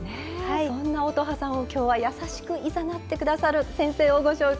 そんな乙葉さんを今日は優しく誘って下さる先生をご紹介します。